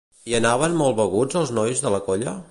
Hi anaven molt beguts els nois de la colla?